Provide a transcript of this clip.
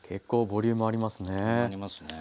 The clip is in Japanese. ボリュームありますね。